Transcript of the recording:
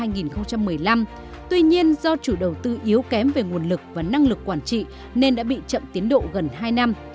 năm hai nghìn một mươi năm tuy nhiên do chủ đầu tư yếu kém về nguồn lực và năng lực quản trị nên đã bị chậm tiến độ gần hai năm